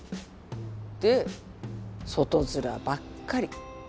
で外面ばっかり